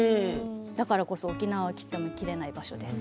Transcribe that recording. だからこそ沖縄は切っても切れない場所です